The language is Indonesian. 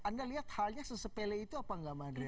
anda lihat halnya sepele itu apa enggak